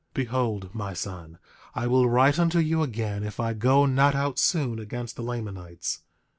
8:27 Behold, my son, I will write unto you again if I go not out soon against the Lamanites.